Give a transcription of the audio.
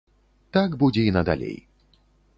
Так будзе і надалей.